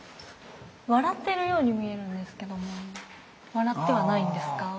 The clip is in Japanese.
笑ってるように見えるんですけども笑ってはないんですか？